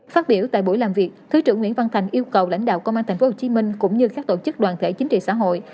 phát biểu tại buổi làm việc thứ trưởng nguyễn văn thành yêu cầu lãnh đạo công an thành phố hồ chí minh cũng như các tổ chức đoàn thể chính trị xã hội